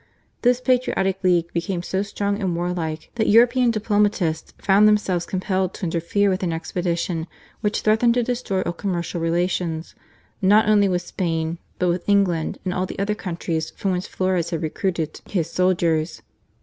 This patriotic league became so strong and warlike that European diplomatists found them selves compelled to interfere with an expedition which threatened to destroy all commercial rela tions, not only with Spain, but with England and all the other countries from whence Flores had recruited his soldiers.